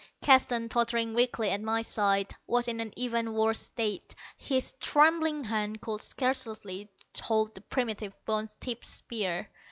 Keston, tottering weakly at my side, was in an even worse state. His trembling hand could scarcely hold the primitive bone tipped spear.